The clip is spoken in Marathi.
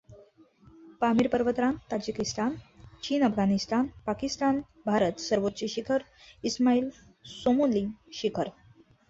पामीर पर्वतरांग ताजिकिस्तान, चीन, अफगाणिस्तान, पाकिस्तान, भारत; सर्वोच्च शिखर इस्माइल सोमोनी शिखर.